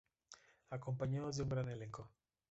Acompañados de un gran elenco.